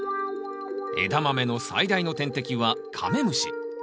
エダマメの最大の天敵はカメムシ。